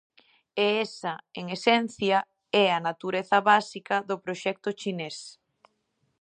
E esa, en esencia, é a natureza básica do proxecto chinés.